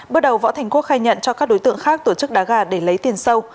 bước đầu võ thành quốc khai nhận cho các đối tượng khác tổ chức đá gà để lấy tiền sâu